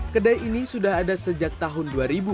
kedai ini sudah ada sejak tahun dua ribu